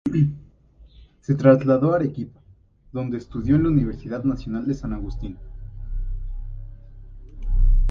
Se trasladó a Arequipa, donde estudió en la Universidad Nacional de San Agustín.